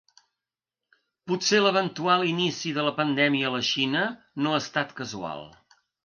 Potser l’eventual inici de la pandèmia a la Xina no ha estat casual.